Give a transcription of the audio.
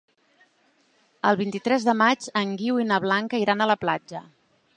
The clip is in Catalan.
El vint-i-tres de maig en Guiu i na Blanca iran a la platja.